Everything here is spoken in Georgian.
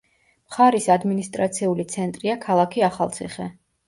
მხარის ადმინისტრაციული ცენტრია ქალაქი ახალციხე.